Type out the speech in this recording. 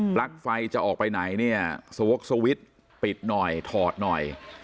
ลั๊กไฟจะออกไปไหนเนี่ยสวกสวิตช์ปิดหน่อยถอดหน่อย